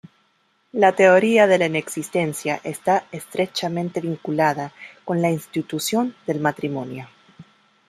La teoría de la inexistencia está estrechamente vinculada con la institución del matrimonio.